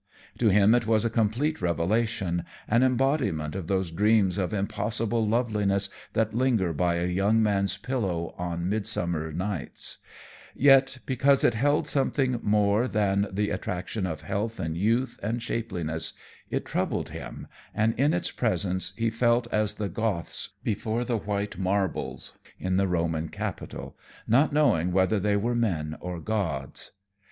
To him it was a complete revelation, an embodiment of those dreams of impossible loveliness that linger by a young man's pillow on midsummer nights; yet, because it held something more than the attraction of health and youth and shapeliness, it troubled him, and in its presence he felt as the Goths before the white marbles in the Roman Capitol, not knowing whether they were men or gods.